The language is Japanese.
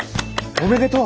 おめでとう。